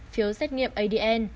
phiếu xét nghiệm adn